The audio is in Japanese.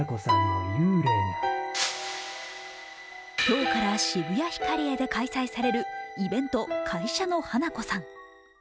今日から渋谷ヒカリエで開催されるイベント、「会社のハナコさん」